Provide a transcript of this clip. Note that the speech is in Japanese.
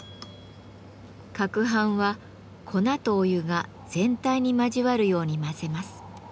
攪拌は粉とお湯が全体に交わるように混ぜます。